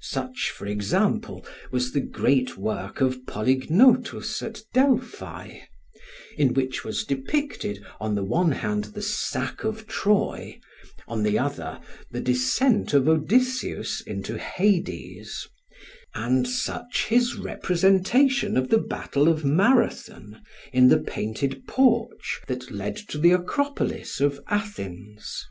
Such, for example, was the great work of Polygnotus at Delphi, in which was depicted on the one hand the sack of Troy, on the other the descent of Odysseus into Hades; and such his representation of the battle of Marathon, in the painted porch that led to the Acropolis of Athens.